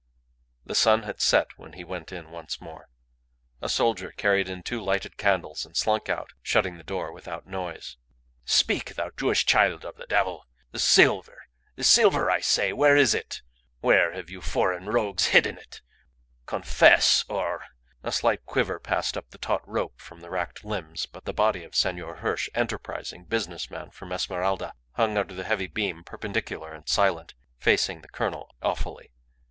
The sun had set when he went in once more. A soldier carried in two lighted candles and slunk out, shutting the door without noise. "Speak, thou Jewish child of the devil! The silver! The silver, I say! Where is it? Where have you foreign rogues hidden it? Confess or " A slight quiver passed up the taut rope from the racked limbs, but the body of Senor Hirsch, enterprising business man from Esmeralda, hung under the heavy beam perpendicular and silent, facing the colonel awfully.